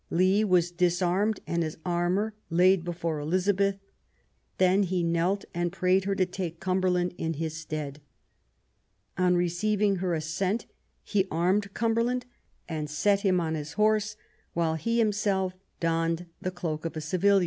Lee was disarmed, and his armour laid before Elizabeth ; then he knelt and prayed her to take Cumberland in his stead. On receiving her assent he armed Cumberland and set him on his horse, while he himself donned the cloak of a civilian.